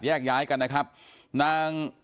แยกย้ายกันนะครับนาง